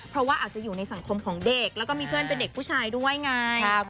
เพราะว่าอาจจะอยู่ในสังคมของเด็กแล้วก็มีเพื่อนเป็นเด็กผู้ชายด้วยไง